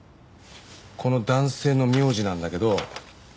この男性の名字なんだけど。